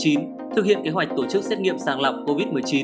thực hiện kế hoạch tổ chức xét nghiệm sàng lọc covid một mươi chín